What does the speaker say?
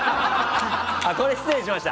これは失礼しました。